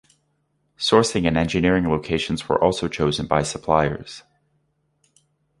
Sourcing and engineering locations were also chosen by suppliers.